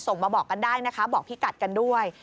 มาบอกกันได้นะคะบอกพี่กัดกันด้วย